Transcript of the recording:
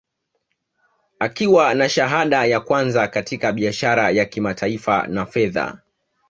Akiwa na shahada ya kwanza katika biashara ya kimataifa na fedha